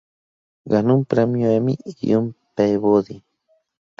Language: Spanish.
Ganó un Premio Emmy y un Peabody.